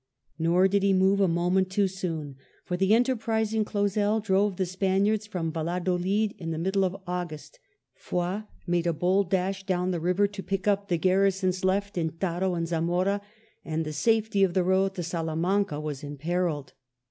Nor did he move a moment too soon; for the enter prising Clausel drove the Spaniards from Yalladolid in the middle of August, Foy made a bold dash down the river to pick up the garrisons left in Taro and Zamora, and the safety of the road to Salamanca was imperilled.